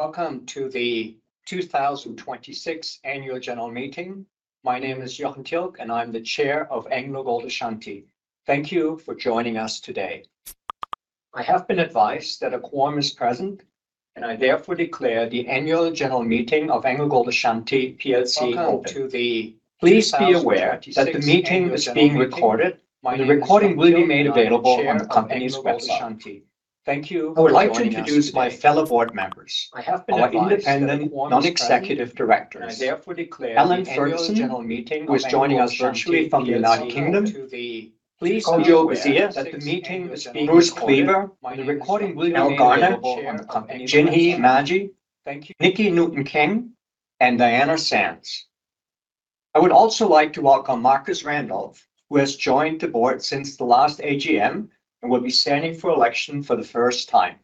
Welcome to the 2026 annual general meeting. My name is Jochen Tilk, and I'm the Chair of AngloGold Ashanti. Thank you for joining us today. I have been advised that a quorum is present, and I therefore declare the annual general meeting of AngloGold Ashanti plc open. Welcome to the 2026 annual general meeting. Please be aware that the meeting is being recorded, and the recording will be made available on the company's website. My name is Jochen Tilk, and I am the Chair of AngloGold Ashanti. Thank you for joining us today. I would like to introduce my fellow Board members, our Independent Non-Executive Directors, Alan Ferguson, who is joining us virtually from the United Kingdom, Sergio Garcia, Bruce Cleaver, Albert Garner, Jinhee Magie, Nicky Newton-King, and Diana Sands. I would also like to welcome Marcus Randolph, who has joined the board since the last AGM and will be standing for election for the first time.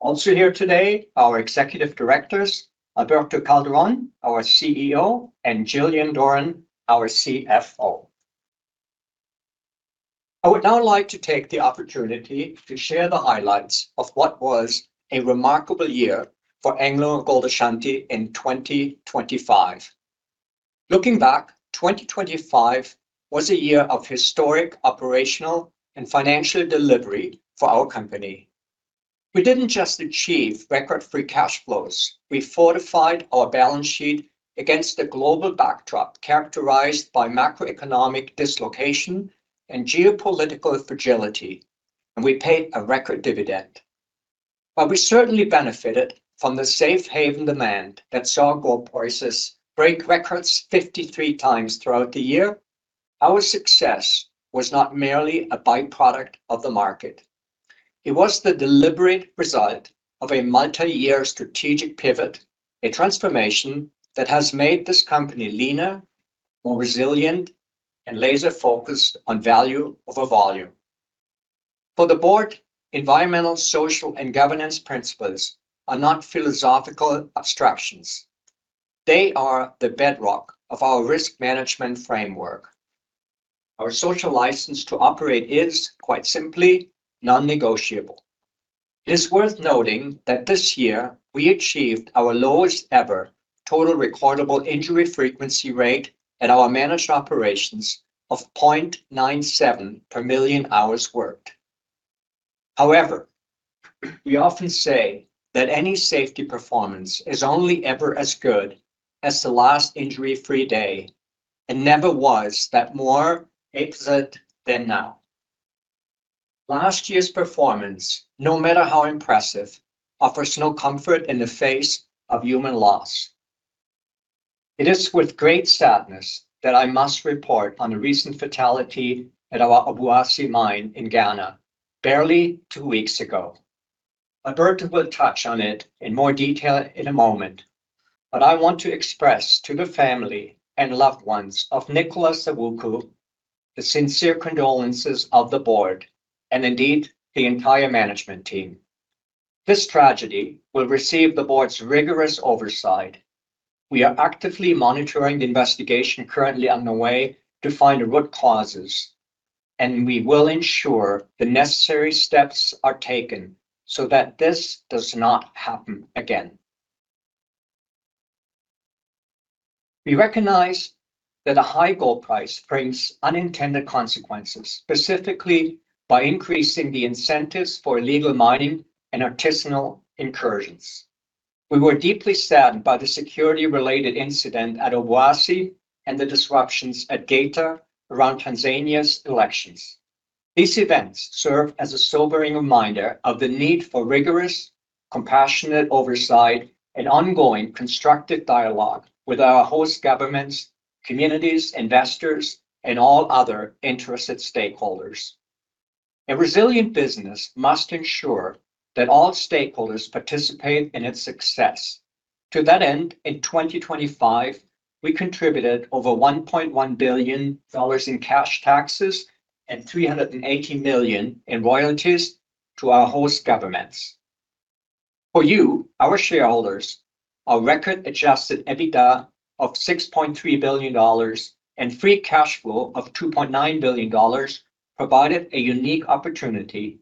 Also here today, our executive directors, Alberto Calderon, our CEO, and Gillian Doran, our CFO. I would now like to take the opportunity to share the highlights of what was a remarkable year for AngloGold Ashanti in 2025. Looking back, 2025 was a year of historic operational and financial delivery for our company. We didn't just achieve record free cash flows. We fortified our balance sheet against the global backdrop characterized by macroeconomic dislocation and geopolitical fragility, and we paid a record dividend. While we certainly benefited from the safe haven demand that saw gold prices break records 53 times throughout the year, our success was not merely a by-product of the market. It was the deliberate result of a multi-year strategic pivot, a transformation that has made this company leaner, more resilient, and laser-focused on value over volume. For the board, environmental, social, and governance principles are not philosophical abstractions. They are the bedrock of our risk management framework. Our social license to operate is, quite simply, non-negotiable. It is worth noting that this year we achieved our lowest ever total recordable injury frequency rate at our managed operations of 0.97 per million hours worked. However, we often say that any safety performance is only ever as good as the last injury-free day, and never was that more apt than now. Last year's performance, no matter how impressive, offers no comfort in the face of human loss. It is with great sadness that I must report on the recent fatality at our Obuasi mine in Ghana barely two weeks ago. Alberto will touch on it in more detail in one moment, but I want to express to the family and loved ones of Nicholas Owuku the sincere condolences of the board and indeed the entire management team. This tragedy will receive the board's rigorous oversight. We are actively monitoring the investigation currently underway to find the root causes, and we will ensure the necessary steps are taken so that this does not happen again. We recognize that a high gold price brings unintended consequences, specifically by increasing the incentives for illegal mining and artisanal incursions. We were deeply saddened by the security-related incident at Obuasi and the disruptions at Geita around Tanzania's elections. These events serve as a sobering reminder of the need for rigorous, compassionate oversight and ongoing constructive dialogue with our host governments, communities, investors, and all other interested stakeholders. A resilient business must ensure that all stakeholders participate in its success. To that end, in 2025, we contributed over $1.1 billion in cash taxes and $380 million in royalties to our host governments. For you, our shareholders, our record-adjusted EBITDA of $6.3 billion and free cash flow of $2.9 billion provided a unique opportunity.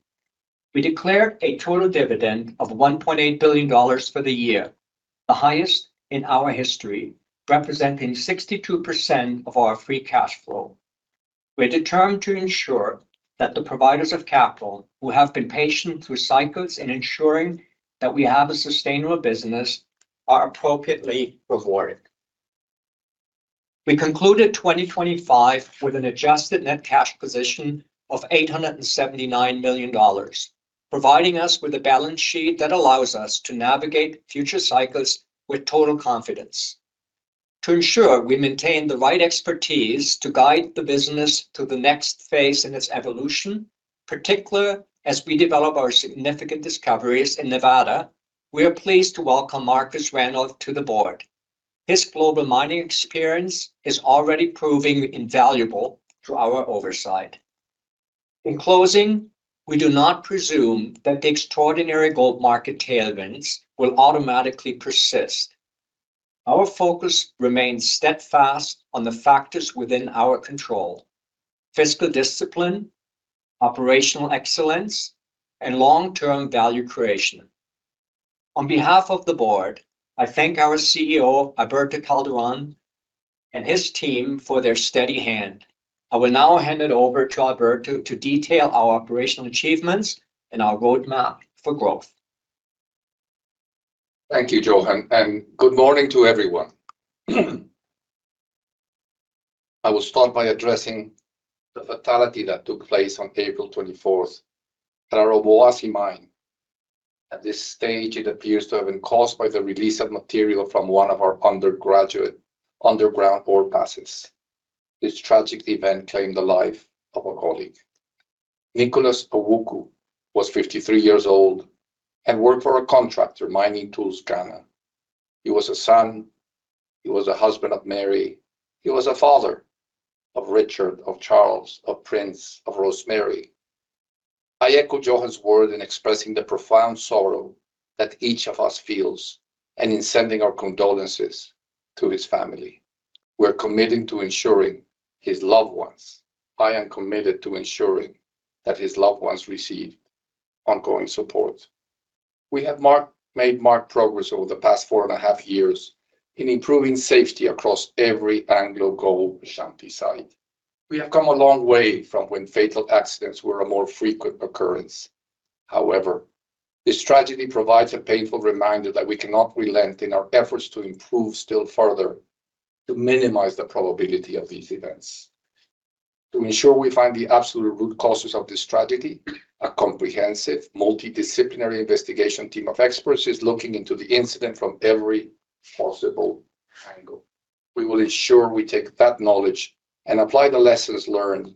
We declared a total dividend of $1.8 billion for the year, the highest in our history, representing 62% of our free cash flow. We are determined to ensure that the providers of capital who have been patient through cycles in ensuring that we have a sustainable business are appropriately rewarded. We concluded 2025 with an adjusted net cash position of $879 million, providing us with a balance sheet that allows us to navigate future cycles with total confidence. To ensure we maintain the right expertise to guide the business to the next phase in its evolution, particularly as we develop our significant discoveries in Nevada, we are pleased to welcome Marcus Randolph to the board. His global mining experience is already proving invaluable to our oversight. In closing, we do not presume that the extraordinary gold market tailwinds will automatically persist. Our focus remains steadfast on the factors within our control, fiscal discipline, operational excellence, and long-term value creation. On behalf of the board, I thank our CEO, Alberto Calderon, and his team for their steady hand. I will now hand it over to Alberto to detail our operational achievements and our roadmap for growth. Thank you, Jochen Tilk, good morning to everyone. I will start by addressing the fatality that took place on April 24th at our Obuasi mine. At this stage, it appears to have been caused by the release of material from one of our underground ore passes. This tragic event claimed the life of a colleague. Nicholas Owuku was 53 years old and worked for a contractor, Mining Tools Ghana. He was a son. He was a husband of Mary. He was a father of Richard, of Charles, of Prince, of Rosemary. I echo Jochen Tilk's word in expressing the profound sorrow that each of us feels and in sending our condolences to his family. I am committed to ensuring that his loved ones receive ongoing support. We have made marked progress over the past four and half years in improving safety across every AngloGold Ashanti site. We have come a long way from when fatal accidents were a more frequent occurrence. This tragedy provides a painful reminder that we cannot relent in our efforts to improve still further to minimize the probability of these events. To ensure we find the absolute root causes of this tragedy, a comprehensive multidisciplinary investigation team of experts is looking into the incident from every possible angle. We will ensure we take that knowledge and apply the lessons learned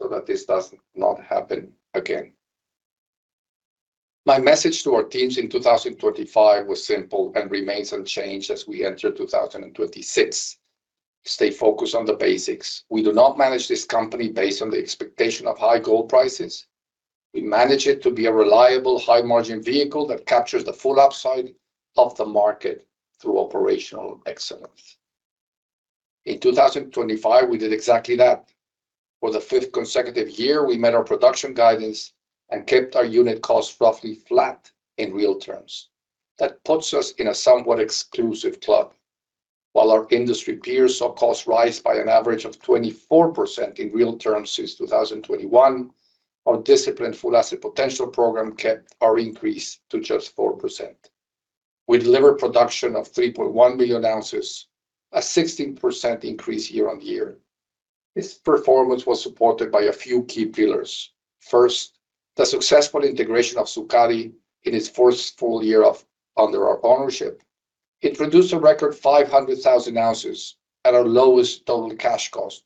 so that this does not happen again. My message to our teams in 2025 was simple and remains unchanged as we enter 2026: Stay focused on the basics. We do not manage this company based on the expectation of high gold prices. We manage it to be a reliable, high-margin vehicle that captures the full upside of the market through operational excellence. In 2025, we did exactly that. For the fifth consecutive year, we met our production guidance and kept our unit costs roughly flat in real terms. That puts us in a somewhat exclusive club. While our industry peers saw costs rise by an average of 24% in real terms since 2021, our disciplined Full Asset Potential program kept our increase to just 4%. We delivered production of 3.1 million ounces, a 16% increase year on year. This performance was supported by a few key pillars. First, the successful integration of Sukari in its first full year under our ownership. It produced a record 500,000 ounces at our lowest total cash cost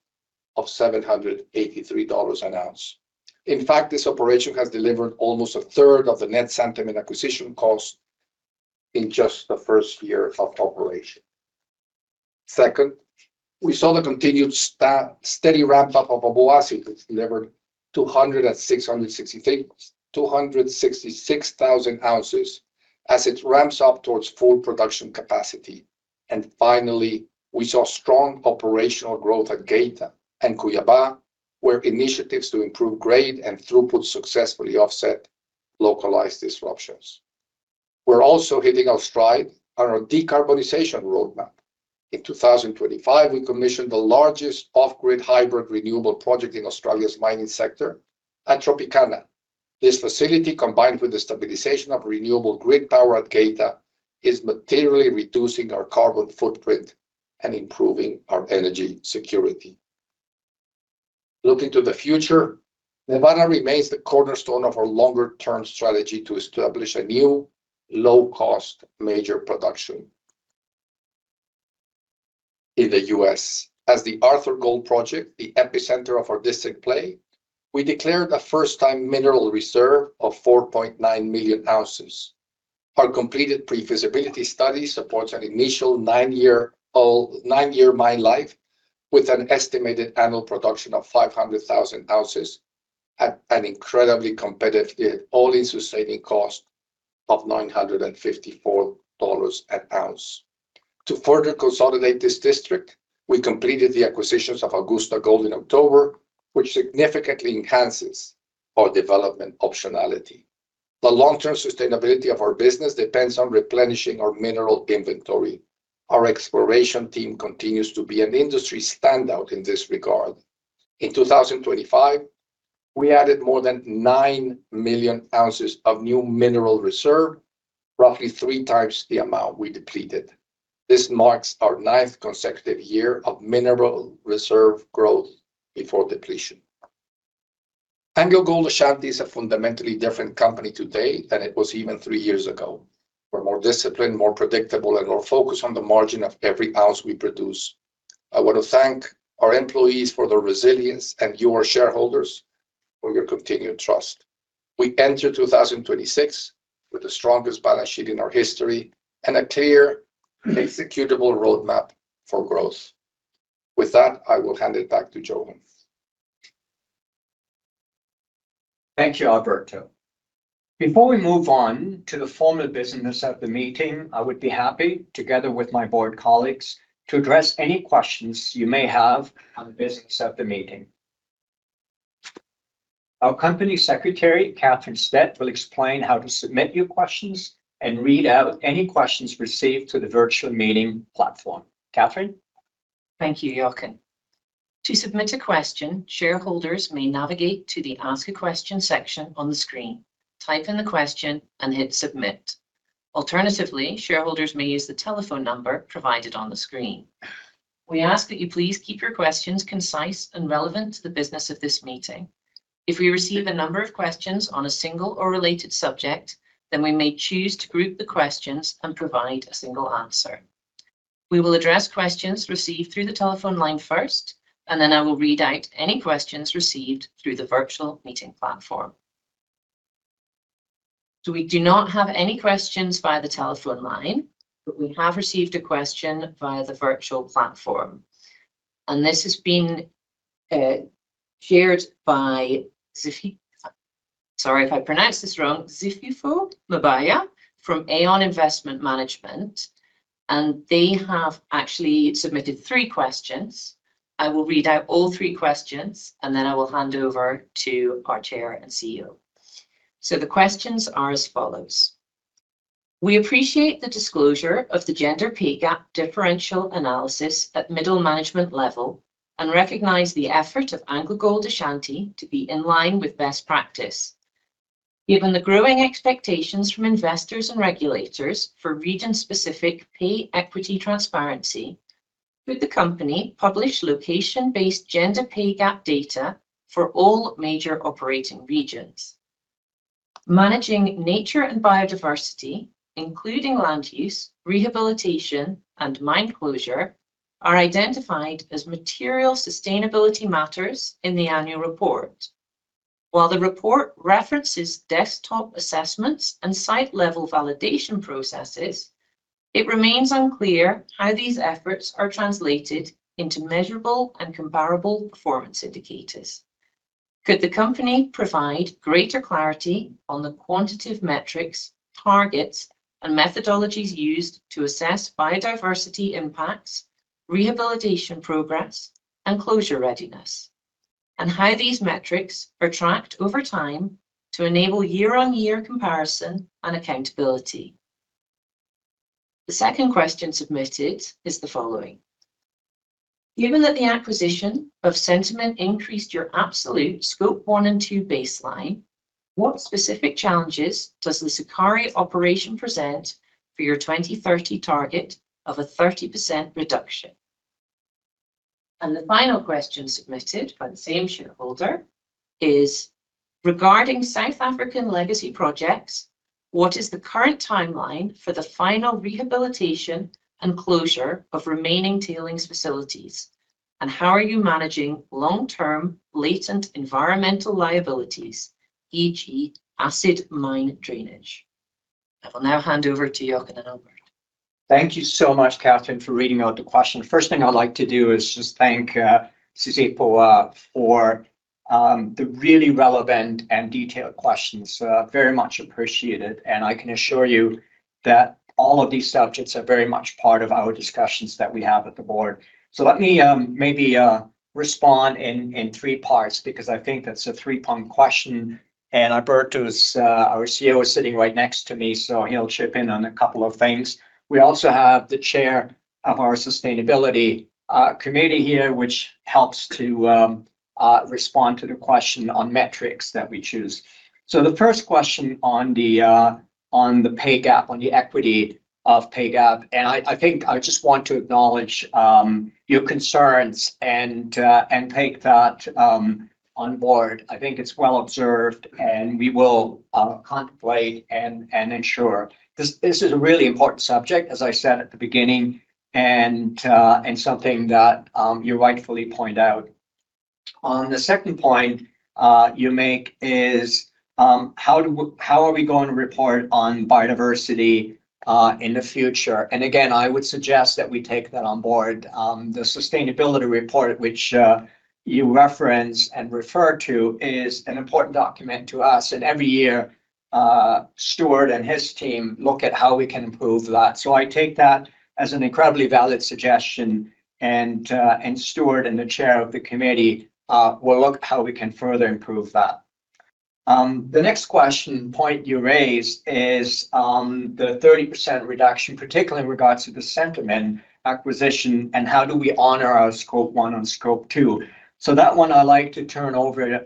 of $783 an ounce. In fact, this operation has delivered almost a third of the net Centamin acquisition cost in just the first year of operation. Second, we saw the continued steady ramp-up of Obuasi, which delivered 266,000 ounces as it ramps up towards full production capacity. Finally, we saw strong operational growth at Geita and Cuiabá, where initiatives to improve grade and throughput successfully offset localized disruptions. We're also hitting our stride on our decarbonization roadmap. In 2025, we commissioned the largest off-grid hybrid renewable project in Australia's mining sector at Tropicana. This facility, combined with the stabilization of renewable grid power at Geita, is materially reducing our carbon footprint and improving our energy security. Looking to the future, Nevada remains the cornerstone of our longer-term strategy to establish a new low-cost major production in the U.S. As the Arthur Gold Project, the epicenter of our district play, we declared a first-time mineral reserve of 4.9 million ounces. Our completed pre-feasibility study supports an initial 9-year mine life with an estimated annual production of 500,000 ounces at an incredibly competitive all-in sustaining cost of $954 an ounce. To further consolidate this district, we completed the acquisitions of Augusta Gold in October, which significantly enhances our development optionality. The long-term sustainability of our business depends on replenishing our mineral inventory. Our exploration team continues to be an industry standout in this regard. In 2025, we added more than 9 million ounces of new mineral reserve, roughly three times the amount we depleted. This marks our ninth consecutive year of mineral reserve growth before depletion. AngloGold Ashanti is a fundamentally different company today than it was even three years ago. We're more disciplined, more predictable, and more focused on the margin of every ounce we produce. I want to thank our employees for their resilience and you, our shareholders, for your continued trust. We enter 2026 with the strongest balance sheet in our history and a clear executable roadmap for growth. With that, I will hand it back to Jochen Tilk. Thank you, Alberto. Before we move on to the formal business of the meeting, I would be happy, together with my board colleagues, to address any questions you may have on the business of the meeting. Our Company Secretary, Catherine Stead, will explain how to submit your questions and read out any questions received to the virtual meeting platform. Catherine? Thank you, Jochen. To submit a question, shareholders may navigate to the Ask a Question section on the screen, type in the question, and hit Submit. Alternatively, shareholders may use the telephone number provided on the screen. We ask that you please keep your questions concise and relevant to the business of this meeting. If we receive a number of questions on a single or related subject, then we may choose to group the questions and provide a single answer. We will address questions received through the telephone line first, and then I will read out any questions received through the virtual meeting platform. We do not have any questions via the telephone line, but we have received a question via the virtual platform. This has been shared by Zizipho Mabuya from Aeon Investments Management, and they have actually submitted three questions. I will read out all three questions, and then I will hand over to our Chair and CEO. The questions are as follows. We appreciate the disclosure of the gender pay gap differential analysis at middle management level and recognize the effort of AngloGold Ashanti to be in line with best practice. Given the growing expectations from investors and regulators for region-specific pay equity transparency, could the company publish location-based gender pay gap data for all major operating regions? Managing nature and biodiversity, including land use, rehabilitation, and mine closure, are identified as material sustainability matters in the annual report. While the report references desktop assessments and site-level validation processes, it remains unclear how these efforts are translated into measurable and comparable performance indicators. Could the company provide greater clarity on the quantitative metrics, targets, and methodologies used to assess biodiversity impacts, rehabilitation progress, and closure readiness, and how these metrics are tracked over time to enable year-on-year comparison and accountability? The second question submitted is the following. Given that the acquisition of Centamin increased your absolute Scope 1 and Scope 2 baseline, what specific challenges does the Sukari operation present for your 2030 target of a 30% reduction? The final question submitted by the same shareholder is, regarding South African legacy projects, what is the current timeline for the final rehabilitation and closure of remaining tailings facilities, and how are you managing long-term latent environmental liabilities, e.g. acid mine drainage? I will now hand over to Jochen and Albert. Thank you so much, Catherine, for reading out the question. First thing I'd like to do is just thank Zifipho for the really relevant and detailed questions. Very much appreciated. I can assure you that all of these subjects are very much part of our discussions that we have at the board. Let me maybe respond in three parts because I think that's a three-pronged question. Alberto's, our CEO, is sitting right next to me, so he'll chip in on a couple of things. We also have the Chair of our Sustainability Committee here, which helps to respond to the question on metrics that we choose. The first question on the pay gap, on the equity of pay gap, I think I just want to acknowledge your concerns and take that on board. I think it's well observed, and we will contemplate and ensure. This is a really important subject, as I said at the beginning, and something that you rightfully point out. On the second point you make is how are we going to report on biodiversity in the future? Again, I would suggest that we take that on board. The sustainability report which you reference and refer to is an important document to us. Every year, Stewart and his team look at how we can improve that. I take that as an incredibly valid suggestion, and Stewart Bailey and the chair of the committee will look how we can further improve that. The next question, point you raised is the 30% reduction, particularly in regards to the Centamin acquisition, and how do we honor our Scope 1 and Scope 2. That one I like to turn over to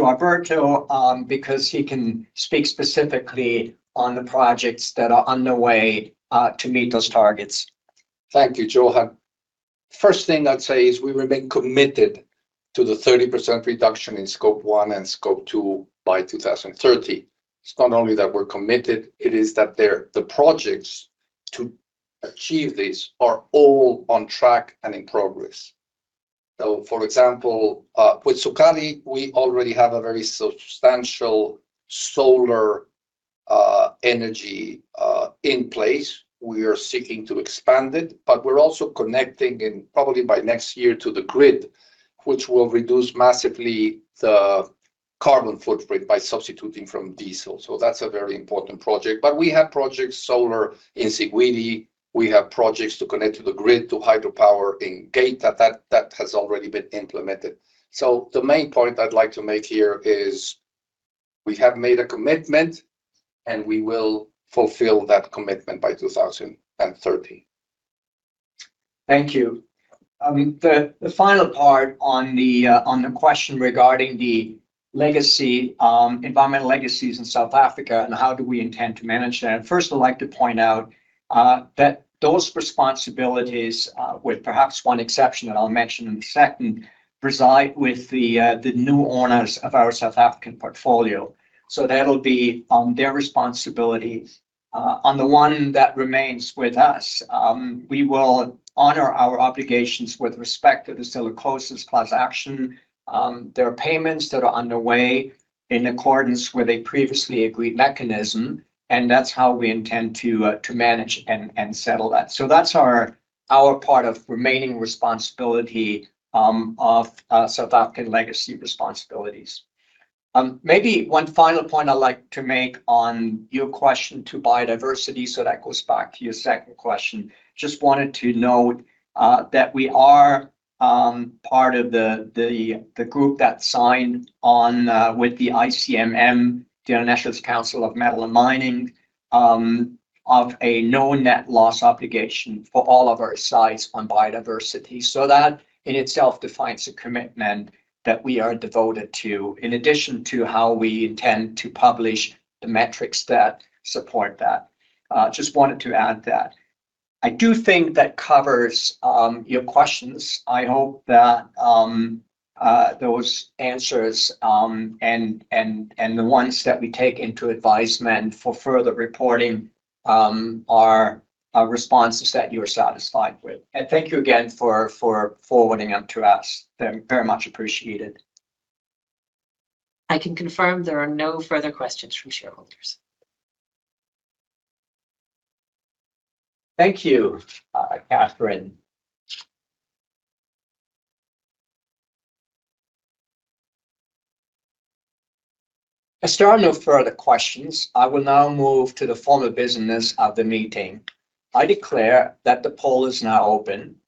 Alberto, because he can speak specifically on the projects that are underway to meet those targets. Thank you, Jochen. First thing I'd say is we remain committed to the 30% reduction in Scope 1 and Scope 2 by 2030. It's not only that we're committed, it is that the projects to achieve this are all on track and in progress. For example, with Sukari, we already have a very substantial solar energy in place. We are seeking to expand it, but we're also connecting, and probably by next year, to the grid, which will reduce massively the carbon footprint by substituting from diesel. That's a very important project. We have projects, solar in Siguiri. We have projects to connect to the grid to hydro power in Geita that has already been implemented. The main point I'd like to make here is we have made a commitment, and we will fulfill that commitment by 2030. Thank you. I mean, the final part on the question regarding the legacy environmental legacies in South Africa and how do we intend to manage that. First, I'd like to point out that those responsibilities, with perhaps one exception that I'll mention in a second, reside with the new owners of our South African portfolio. That'll be their responsibility. On the one that remains with us, we will honor our obligations with respect to the silicosis class action. There are payments that are underway in accordance with a previously agreed mechanism, and that's how we intend to manage and settle that. That's our part of remaining responsibility of South African legacy responsibilities. Maybe one final point I'd like to make on your question to biodiversity, so that goes back to your second question. Just wanted to note that we are part of the group that signed on with the ICMM, the International Council on Mining and Metals, of a no net loss obligation for all of our sites on biodiversity. That in itself defines a commitment that we are devoted to, in addition to how we intend to publish the metrics that support that. Just wanted to add that. I do think that covers your questions. I hope that those answers and the ones that we take into advisement for further reporting are responses that you are satisfied with. Thank you again for forwarding them to us. They're very much appreciated. I can confirm there are no further questions from shareholders. Thank you, Catherine. As there are no further questions, I will now move to the formal business of the meeting. I declare that the poll is now open.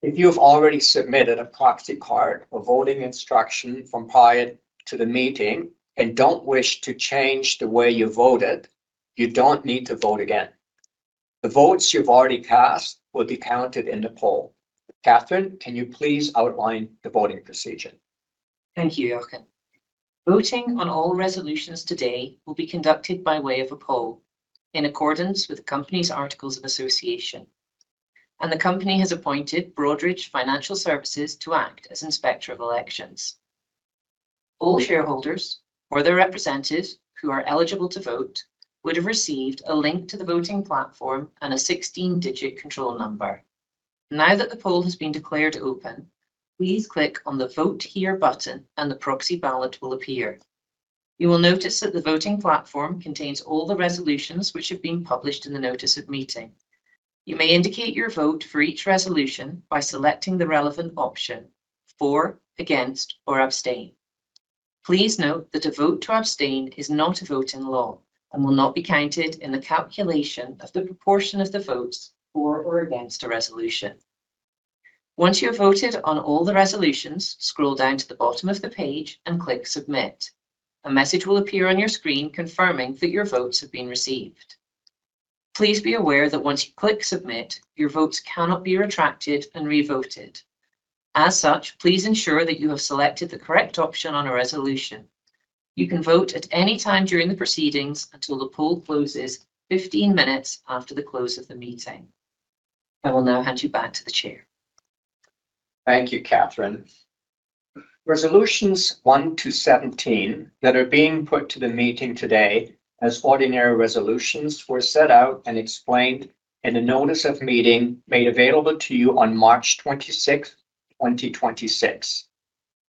If you have already submitted a proxy card or voting instruction from prior to the meeting and don't wish to change the way you voted, you don't need to vote again. The votes you've already cast will be counted in the poll. Catherine, can you please outline the voting procedure? Thank you, Jochen. Voting on all resolutions today will be conducted by way of a poll in accordance with the company's articles of association. The company has appointed Broadridge Financial Solutions to act as Inspector of Elections. All shareholders or their representative who are eligible to vote would have received a link to the voting platform and a 16-digit control number. Now that the poll has been declared open, please click on the Vote Here button and the proxy ballot will appear. You will notice that the voting platform contains all the resolutions which have been published in the notice of meeting. You may indicate your vote for each resolution by selecting the relevant option, for, against, or abstain. Please note that a vote to abstain is not a vote in the law and will not be counted in the calculation of the proportion of the votes for or against a resolution. Once you have voted on all the resolutions, scroll down to the bottom of the page and click submit. A message will appear on your screen confirming that your votes have been received. Please be aware that once you click submit, your votes cannot be retracted and revoted. As such, please ensure that you have selected the correct option on a resolution. You can vote at any time during the proceedings until the poll closes 15 minutes after the close of the meeting. I will now hand you back to the chair. Thank you, Catherine. Resolutions one to 17 that are being put to the meeting today as ordinary resolutions were set out and explained in a notice of meeting made available to you on March 26, 2026.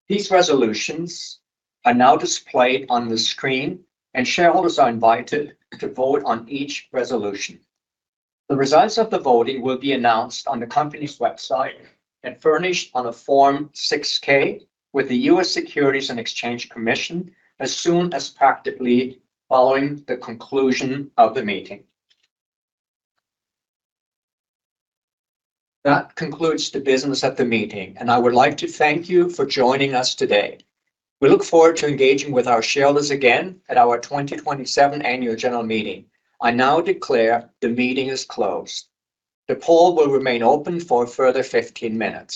These resolutions are now displayed on the screen, and shareholders are invited to vote on each resolution. The results of the voting will be announced on the company's website and furnished on a Form 6-K with the U.S. Securities and Exchange Commission as soon as practically following the conclusion of the meeting. That concludes the business of the meeting, and I would like to thank you for joining us today. We look forward to engaging with our shareholders again at our 2027 Annual General Meeting. I now declare the meeting is closed. The poll will remain open for a further 15 minutes